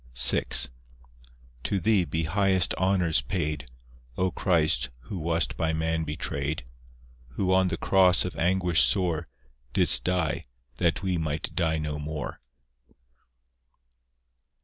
VI To Thee be highest honours paid, O Christ, who wast by man betrayed; Who on the cross of anguish sore Didst die, that we might die no more.